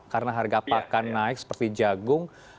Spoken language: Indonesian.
karena harga pakan naik seperti jagung